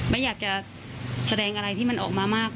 ไม่อยากจะแสดงอะไรที่มันออกมามาก